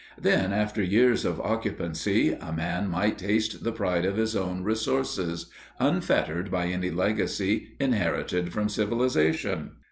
Then, after years of occupancy, a man might taste the pride of his own resources, unfettered by any legacy inherited from civilization.